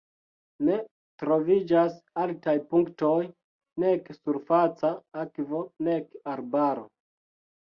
Ne troviĝas altaj punktoj, nek surfaca akvo, nek arbaro.